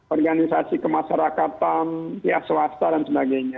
organisasi kemasyarakatan pihak swasta dan sebagainya